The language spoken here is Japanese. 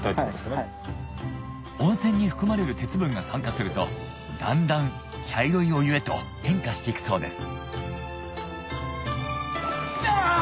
温泉に含まれる鉄分が酸化するとだんだん茶色いお湯へと変化していくそうですあ！